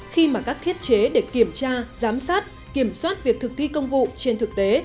khi mà các thiết chế để kiểm tra giám sát kiểm soát việc thực thi công vụ trên thực tế